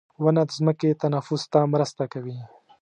• ونه د ځمکې تنفس ته مرسته کوي.